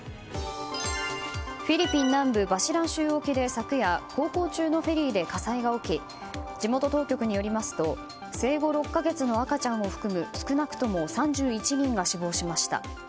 フィリピン南部バシラン州沖で昨夜航行中のフェリーで火災が起き地元当局によりますと生後６か月の赤ちゃんを含む少なくとも３１人が死亡しました。